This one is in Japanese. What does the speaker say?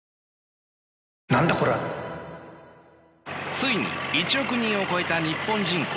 ついに１億人を超えた日本人口。